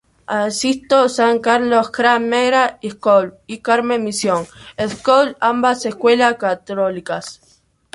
Asistió a San Carlos Grammar School y Carmel Mission School, ambas escuelas católicas.